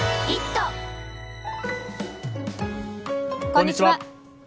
こんにちは。